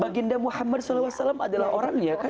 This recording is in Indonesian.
baginda muhammad saw adalah orangnya